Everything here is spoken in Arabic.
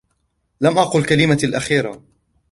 لم أقل كلمتي الأخيرة!